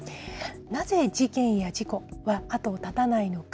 なぜ事件や事故は後を絶たないのか。